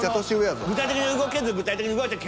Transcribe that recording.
「具体的に動けず具体的に動いて」